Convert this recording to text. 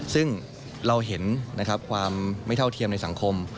ซึ่งเราเห็นนะครับความไม่เท่าเทียมในสังคม